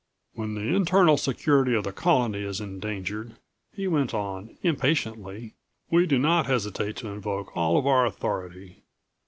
"When the internal security of the Colony is endangered," he went on impatiently, "we do not hesitate to invoke all of our authority.